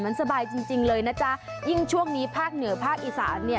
มันสบายจริงจริงเลยนะจ๊ะยิ่งช่วงนี้ภาคเหนือภาคอีสานเนี่ย